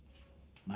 bikin kacau tau nggak